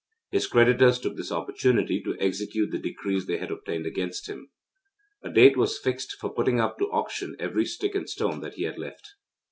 His creditors took this opportunity to execute the decrees they had obtained against him. A date was fixed for putting up to auction every stick and stone that he had left.